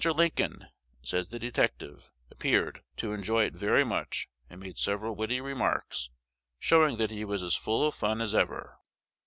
Lincoln," says the detective, appeared "to enjoy it very much, and made several witty remarks, showing that he was as full of fun as ever."